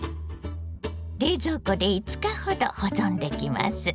冷蔵庫で５日ほど保存できます。